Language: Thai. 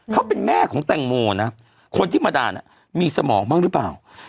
เขาเป็นแม่ของแตงโมนะคนที่มาด่าน่ะมีสมองบ้างหรือเปล่า